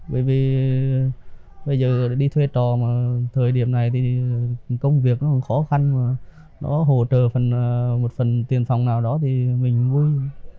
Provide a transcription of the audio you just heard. bởi vì bây giờ đi thuê trò mà thời điểm này thì công việc nó khó khăn mà nó hỗ trợ phần một phần tiền phòng nào đó thì mình vui